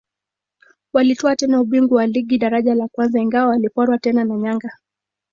Walitwaa tena ubingwa wa ligi daraja la kwanza ingawa waliporwa tena na Yanga